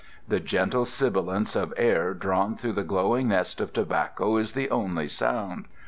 The gentle sibilance of air drawn through the glowing nest of tobacco is the only sound.